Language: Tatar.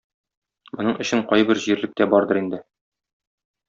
Моның өчен кайбер җирлек тә бардыр инде.